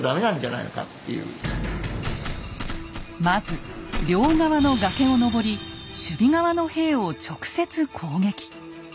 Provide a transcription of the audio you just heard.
まず両側の崖を登り守備側の兵を直接攻撃。